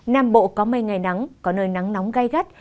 nam bộ có mây ngày nắng có nơi nắng nóng gai gắt